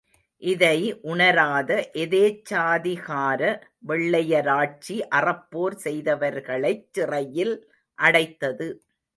இதை உணராத எதேச்சாதிகார வெள்ளையராட்சி அறப்போர் செய்தவர்களைச் சிறையில் அடைத்தது.